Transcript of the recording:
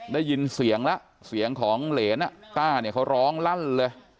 ได้ยินเสียงแล้วเสียงของเหรนต้าเนี่ยเขาร้องลั่นเลย